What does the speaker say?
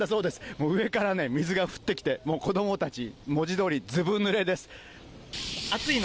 もう上からね、水が降ってきて、もう子どもたち、文字どおりずぶぬれです。